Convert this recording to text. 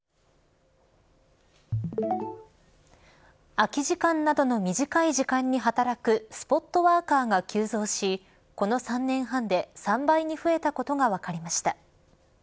空き時間などの短い時間に働くスポットワーカーが急増しこの３年半で３倍に増えたことが分かりました。